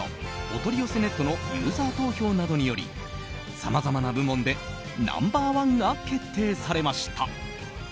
おとりよせネットのユーザー投票などによりさまざまな部門でナンバー１が決定されました。